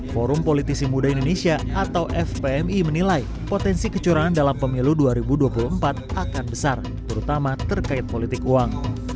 forum politisi muda indonesia atau fpmi menilai potensi kecurangan dalam pemilu dua ribu dua puluh empat akan besar terutama terkait politik uang